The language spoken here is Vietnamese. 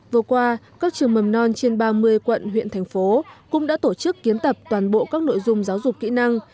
vừa qua các trường mầm non trên ba mươi quận huyện thành phố cũng đã tổ chức kiến tập toàn bộ các nội dung giáo dục kỹ năng